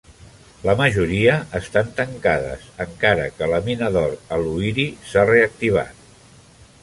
La majoria estan tancades, encara que la mina d"or a Luiri s"ha reactivat.